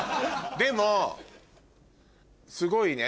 でもすごいね。